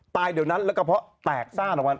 ตายเดี๋ยวนั้นแล้วกระเพาะแตกซ่าหลังวัน